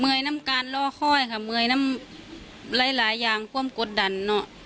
ยน้ำการล่อห้อยค่ะเมื่อยน้ำหลายอย่างความกดดันเนอะ